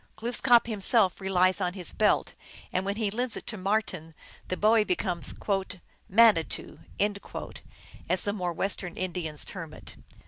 Glooskap himself relies on his belt, and when he lends it to Marten, the boy becomes " mani too," as the more Western Indians term it.